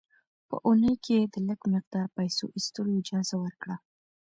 په اونۍ کې یې د لږ مقدار پیسو ایستلو اجازه ورکړه.